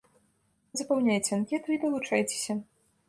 Запаўняйце анкету і далучайцеся.